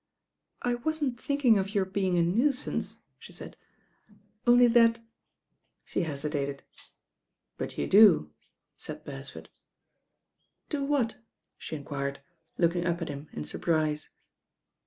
"I wasn't thinking of your being a nuisance," she said, "only that " she hesitated. "But you do," said Beresford. "Do what?" she enquired, looking up at him in surprise.